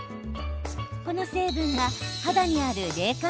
この成分が肌にある冷感